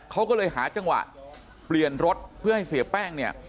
เขาก็เลยหาจังหวะเปลี่ยนรถเพื่อให้เสียแป้งเนี่ย